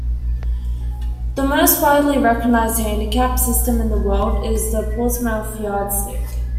The most widely recognised handicap system in the world is the Portsmouth Yardstick.